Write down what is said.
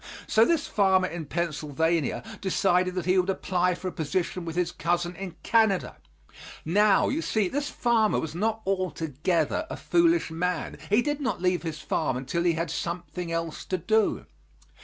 So this farmer in Pennsylvania decided that he would apply for a position with his cousin in Canada. Now, you see, this farmer was not altogether a foolish man. He did not leave his farm until he had something else to do.